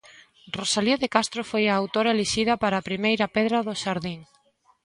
Rosalía de Castro foi a autora elixida para a primeira pedra do xardín.